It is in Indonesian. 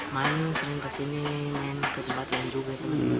main sering kesini main ke tempat lain juga